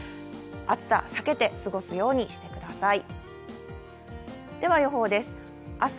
暑さ、避けて過ごすようにしてください。